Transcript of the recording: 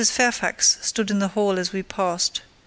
Fairfax stood in the hall as we passed.